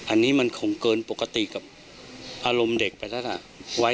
อันนี้มันคงเกินปกติกับอารมณ์เด็กไปแล้วล่ะ